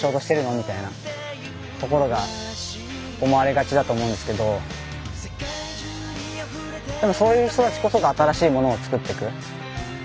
みたいなところが思われがちだと思うんですけどそういう人たちこそが新しいものをつくっていく。